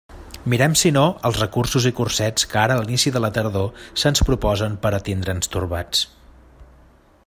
Mirem si no els cursos i cursets que ara a l'inici de la tardor se'ns proposen per a tindre'ns torbats.